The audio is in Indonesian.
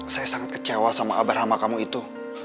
saya sangat kecewa sama abah rahma kamu itu